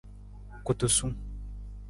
Kutusung.